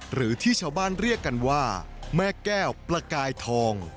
หรือที่ชาวบ้านเรียกกันว่าแม่แก้วประกายทอง